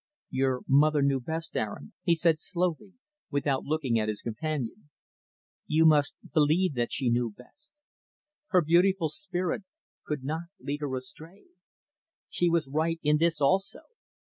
"Your mother knew best, Aaron," he said slowly, without looking at his companion. "You must believe that she knew best. Her beautiful spirit could not lead her astray. She was right in this, also.